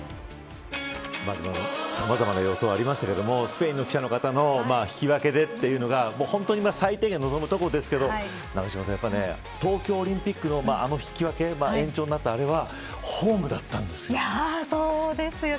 さまざまな予想がありましたがスペインの記者の方の引き分けでというのが本当に最低限、望むところですが永島さん、やっぱり東京オリンピックのあの引き分け延長になったあれはホームだったんですよ。